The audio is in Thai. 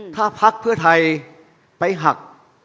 ถ้าพักเพื่อไทยไปหัก